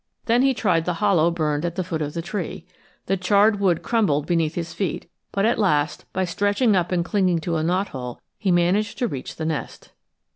Then he tried the hollow burned at the foot of the tree. The charred wood crumbled beneath his feet, but at last, by stretching up and clinging to a knothole, he managed to reach the nest.